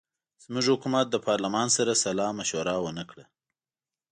زموږ حکومت له پارلمان سره سلامشوره ونه کړه.